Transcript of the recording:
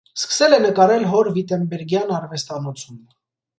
Սկսել է նկարել հոր վիտենբերգյան արվեստանոցում։